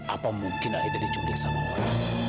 apa mungkin aida diculik sama orang